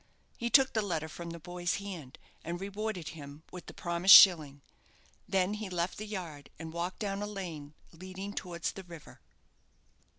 He took the letter from the boy's hand, and rewarded him with the promised shilling. Then he left the yard, and walked down a lane leading towards the river.